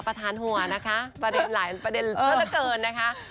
ประเด็นละเกินนะคะ